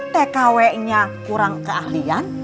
tkw nya kurang keahlian